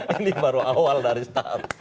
ini baru awal dari startup